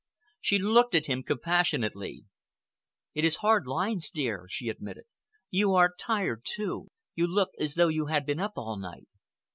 She looked at him compassionately. "It is hard lines, dear," she admitted. "You are tired, too. You look as though you had been up all night."